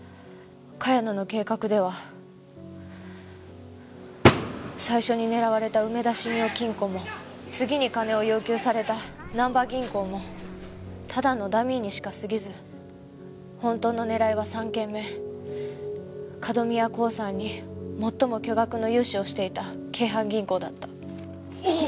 茅野の計画では最初に狙われた梅田信用金庫も次に金を要求されたなんば銀行もただのダミーにしか過ぎず本当の狙いは３件目角宮興産に最も巨額の融資をしていた京阪銀行だった。